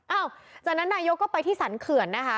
หลังจากนั้นนายกก็ไปที่สรรเขื่อนนะคะ